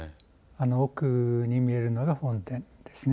奥に見えるのが本殿ですね。